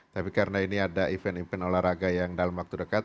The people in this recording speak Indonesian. tapi karena ini ada event event olahraga yang dalam waktu dekat